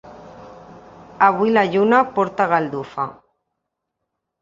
Avui la lluna porta galdufa.